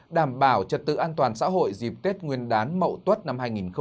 đảm bảo trật tự an toàn xã hội dịp tết nguyên đán mậu tuất năm hai nghìn hai mươi